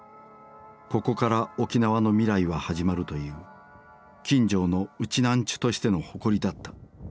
ここから沖縄の未来は始まるという金城のウチナンチュとしての誇りだった。